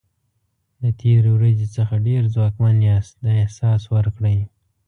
د تېرې ورځې څخه ډېر ځواکمن یاست دا احساس ورکړئ.